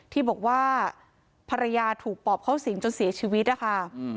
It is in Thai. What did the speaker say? ที่บอกว่าภรรยาถูกปอบเข้าสิงจนเสียชีวิตนะคะ